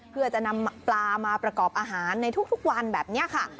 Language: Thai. เพื่อจะนำปลามาประกอบอาหารในทุกวันแบบนี้ค่ะ